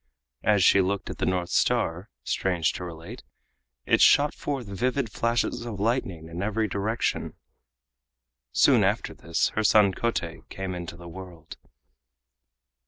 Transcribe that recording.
As she looked at the North Star, strange to relate, it shot forth vivid flashes of lightning in every direction. Soon after this her son Kotei came into the world.